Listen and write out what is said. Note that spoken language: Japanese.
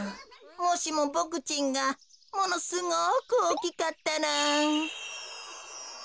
もしもボクちんがものすごくおおきかったら。